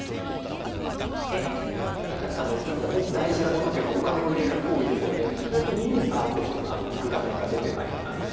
で大事なことというかお金を入れる行為ですので本当にいいですか？って聞く画面が出てまいります。